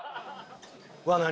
うわっ何？